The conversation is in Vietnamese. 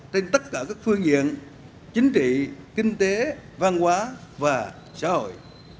trên tất cả các phương diện chính trị kinh tế văn hóa và xã hội